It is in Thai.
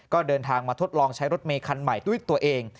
ก็เดินทางมาทดลองใช้รถเมย์คันใหม่ด้วยตัวเอง